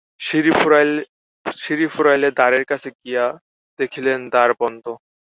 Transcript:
সিঁড়ি ফুরাইলে দ্বারের কাছে গিয়া দেখিলেন দ্বার বন্ধ।